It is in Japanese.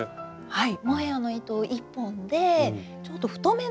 はい。